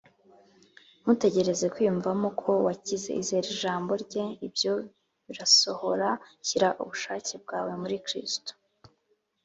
Ntutegereze kwiyumvamo ko wakize. Izere ijambo Rye, ibyo birasohora. Shyira ubushake bwawe muri Kristo